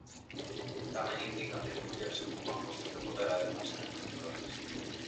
Tamén indican que as mulleres que ocupan postos de poder adoitan ser emprendedoras.